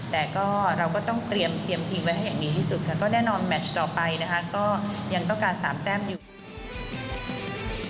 แต่ก็เราก็ต้องเตรียมทิ้งไว้ให้อย่างดีที่สุดค่ะก็แน่นอนแมชต่อไปนะคะก็ยังต้องการสามแต้มอยู่